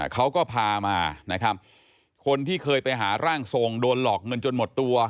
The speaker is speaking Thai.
เขาก็พามานะครับคนที่เคยไปหาร่างทรงโดนหลอกเงินจนหมดตัว